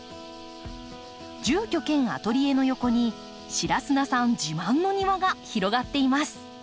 住居兼アトリエの横に白砂さん自慢の庭が広がっています。